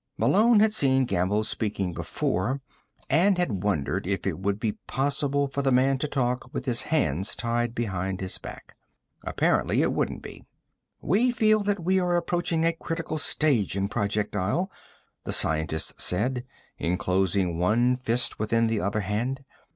Malone had seen Gamble speaking before, and had wondered if it would be possible for the man to talk with his hands tied behind his back. Apparently it wouldn't be. "We feel that we are approaching a critical stage in Project Isle," the scientist said, enclosing one fist within the other hand.